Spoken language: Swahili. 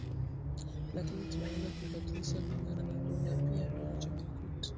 lakini tunaweza kuibadilisha kulingana na lugha pia vionjo vya kwetu